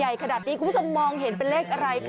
ขนาดนี้คุณผู้ชมมองเห็นเป็นเลขอะไรคะ